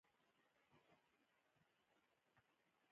هغه هغې ته د صادق دریاب ګلان ډالۍ هم کړل.